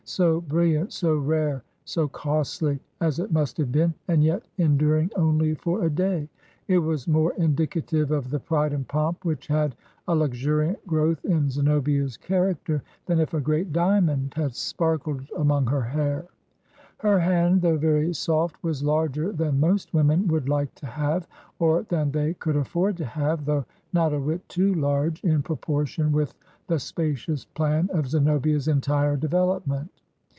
So brill iant, so rare, so costly, as it must haye been, and yet enduring only for a day, it was more indicative of the pride and pomp which had a luxuriant growth in Zeno bia's character than if a great diamond had sparkled among her hair. Her hand, though very soft, was larger than most women would like to have, or than they could afford to have, though not a whit too large in proportion with the spacious plan of Zenobia's entire development.